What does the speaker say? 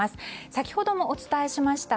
先ほどもお伝えしました